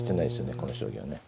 この将棋はね。